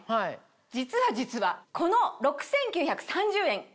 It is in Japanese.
実は実はこの６９３０円。